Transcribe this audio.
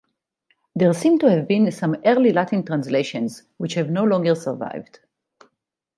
There seem to have been some early Latin translations, which have no longer survived.